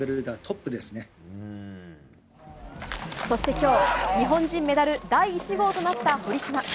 そして、今日日本人メダル第１号となった堀島。